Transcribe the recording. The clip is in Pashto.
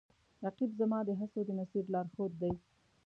رقیب زما د هڅو د مسیر لارښود دی